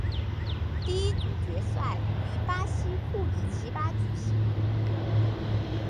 第一组决赛于巴西库里奇巴举行。